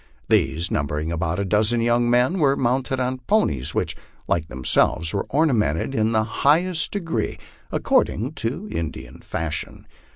These, numbering about a dozen young men, were mounted on ponies which, like themselves, were ornamented in the high est degree, according to Indian fashion.